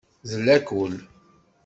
D lakul.